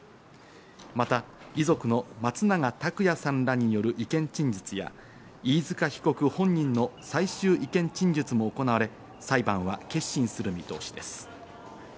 また遺族の松永拓也さんらによる意見陳述や飯塚被告本人の最終意見陳述も行われ、裁判は結審する見通しです。